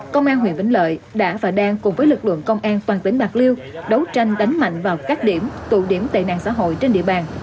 công an huyện vĩnh lợi đã và đang cùng với lực lượng công an toàn tỉnh bạc liêu đấu tranh đánh mạnh vào các điểm tụ điểm tệ nạn xã hội trên địa bàn